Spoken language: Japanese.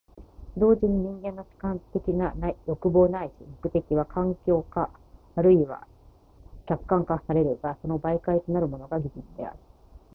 同時に人間の主観的な欲望ないし目的は環境化或いは客観化されるが、その媒介となるものが技術である。